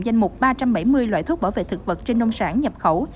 danh mục ba trăm bảy mươi loại thuốc bảo vệ thực vật trên nông sản nhập khẩu